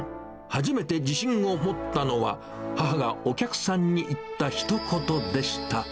初めて自信を持ったのは、母がお客さんに言ったひと言でした。